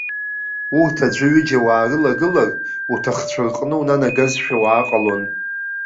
Урҭ аӡәы-ҩыџьа уаарылагылар, уҭахцәа рҟны унанагазшәа уааҟалон.